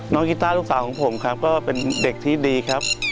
กีต้าลูกสาวของผมครับก็เป็นเด็กที่ดีครับ